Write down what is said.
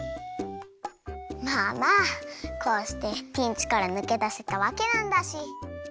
まあまあこうしてピンチからぬけだせたわけなんだし。